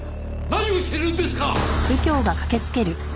何をしているんですか！